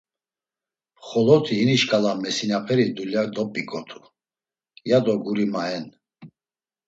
Xoloti hini şǩala mesinaperi dulya dop̌iǩotu, ya do guri mayen.